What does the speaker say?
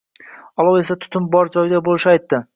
Olov esa tutun bor joyda boʻlishini aytdi